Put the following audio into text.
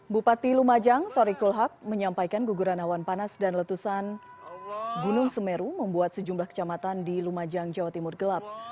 bupati lumajang tori kulhab menyampaikan guguran awan panas dan letusan gunung semeru membuat sejumlah kecamatan di lumajang jawa timur gelap